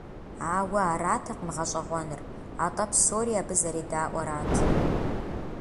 Ауэ аратэкъым гъэщӀэгъуэныр, атӀэ псори абы зэредаӀуэрат.